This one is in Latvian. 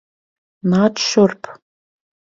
Nāc šurp.